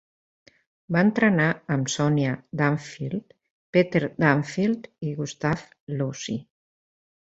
Va entrenar amb Sonia Dunfield, Peter Dunfield i Gustav Lussi.